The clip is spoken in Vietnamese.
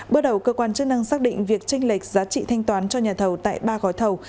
bước đầu cơ quan chức năng xác định việc tranh lệch giá trị thanh toán cho nhà thầu tại ba gói thầu